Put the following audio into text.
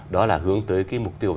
đó là hướng tới mục tiêu